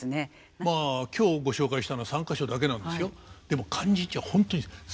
まあ今日ご紹介したのは３か所だけなんですよ。